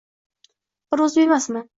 Bir o‘zim emasman.